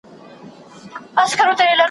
کوم یو کار دی چي بادار ماته سپارلی `